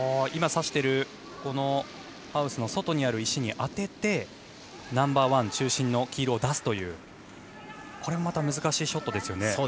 今指していたハウスの外にある石に当ててナンバーワン中心の黄色を出すというこれも難しいショットですね。